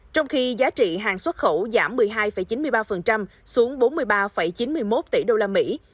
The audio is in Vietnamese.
trong khi giá trị hàng xuất khẩu giảm một mươi hai chín mươi ba xuống bốn mươi ba chín mươi một tỷ đô la mỹ